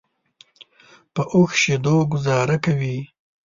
په اوښ شیدو ګوزاره کوي.